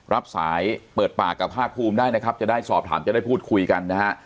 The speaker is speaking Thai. รับสายเปิดปากกับภาคภูมิได้นะครับจะได้สอบถามจะได้พูดคุยกันนะฮะ